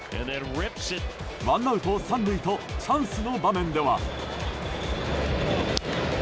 ワンアウト３塁とチャンスの場面では。